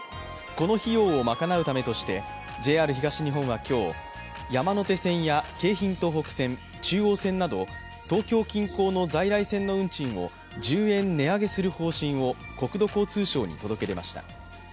この費用を賄うためとして、ＪＲ東日本は今日、山手線や京浜東北線、中央線など東京近郊の在来線の運賃を１０円値上げする方針を国土交通省に届け出ました。